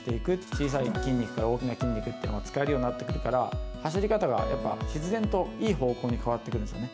小さい筋肉、大きい筋肉と使えるようになってくるから、走り方がやっぱり必然と、いい方向に変わってくるんですね。